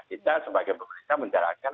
kita sebagai pemerintah menjalankan